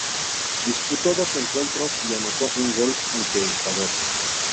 Disputó dos encuentros y anotó un gol ante Ecuador.